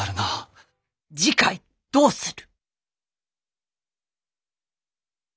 次回どうする。